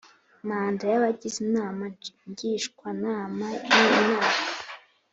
Manda y abagize Inama Ngishwanama ni imyaka